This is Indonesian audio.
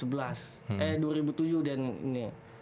eh dua ribu tujuh udah ini